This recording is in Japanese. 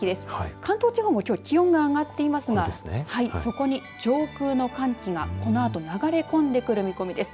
関東地方もきょう気温が上がっていますがそこに上空の寒気がこのあと流れ込んでくる見込みです。